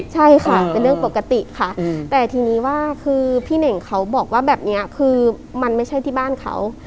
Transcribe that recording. ใช่ค่ะเป็นเรื่องปกติค่ะแต่ทีนี้ว่าคือพี่เน่งเขาบอกว่าแบบนี้คือมันไม่ใช่ที่บ้านเขา